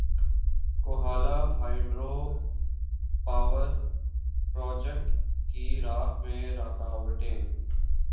Kohala hydro power project کی راہ میں رکاوٹیں